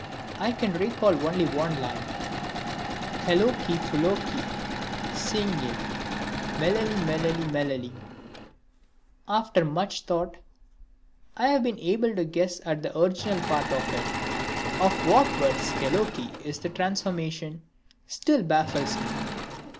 I can recall only one line: Kallokee pullokee singill mellaling mellaling mellaling. After much thought I have been able to guess at the original of a part of it. Of what words kallokee is the transformation still baffles me.